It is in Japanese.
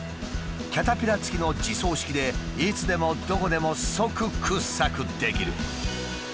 キャタピラー付きの自走式でいつでもどこでも即掘削できる。